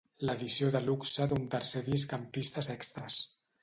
L'edició de luxe té un tercer disc amb pistes extres.